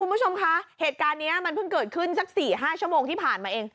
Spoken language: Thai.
คุณผู้ชมคะเหตุการณ์นี้มันเพิ่งเกิดขึ้นสัก๔๕ชั่วโมงที่ผ่านมาเอง